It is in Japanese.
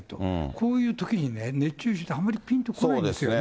こういうときにね、熱中症ってあんまりぴんとこないんですよね。